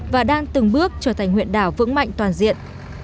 và đang từng bước trở thành huyện đảo vững mạnh toàn diện